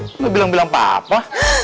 belum bilang belum papa